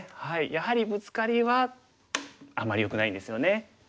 やはりブツカリはあまりよくないんですよね。